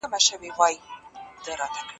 د ذمي ژوند له تېري وساتئ.